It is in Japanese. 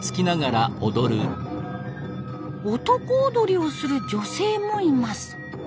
男踊りをする女性もいます。